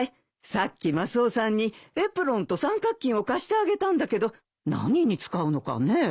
さっきマスオさんにエプロンと三角巾を貸してあげたんだけど何に使うのかねぇ？